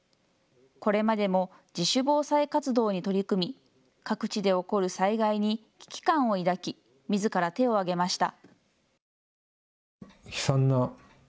これまでも自主防災活動に取り組み、各地で起こる災害に危機感を抱きみずから手を挙げました。